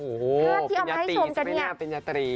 โอ้โหปริญญาตรีสมัยหน้าปริญญาตรี